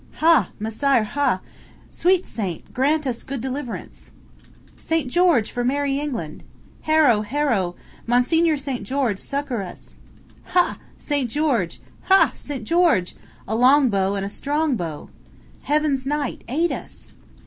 "Ha! Messire, ha! sweet Saint, grant us good deliverance!" "St. George for merry England!" "Harow! Harow! Monseigneur St. George, succor us!" "Ha! St. George! Ha! St. George! a long bow and a strong bow." "Heaven's Knight, aid us!"